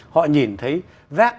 họ nhìn thấy rác